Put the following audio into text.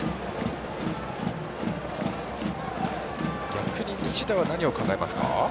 逆に西田は何を考えますか。